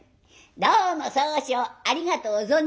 「どうも宗匠ありがとう存じます」。